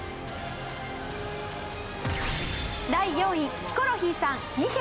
第４位ヒコロヒーさん２票。